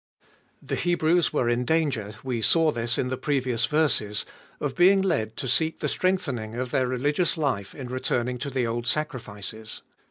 THE Hebrews were in danger, we saw this in the previous verses, of being led to seek the strengthening of their religious life in returning to the old sacrifices.